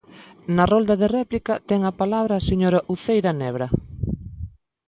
Na rolda de réplica ten a palabra a señora Uceira Nebra.